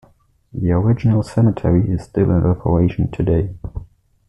The original cemetery is still in operation today.